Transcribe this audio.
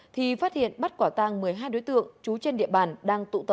thì phát hiện bắt quả tang một mươi hai đối tượng chú trên địa bàn đang tụ tụ